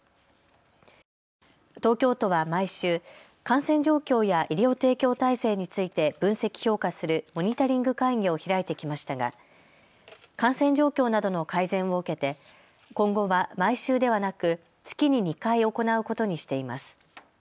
東京都は毎週、感染状況や医療提供体制について分析・評価するモニタリング会議を開いてきましたが感染状況などの改善を受けて今後は毎週ではなく月に２回行うことにしています。